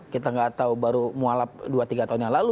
kita nggak tahu baru mualap dua tiga tahun yang lalu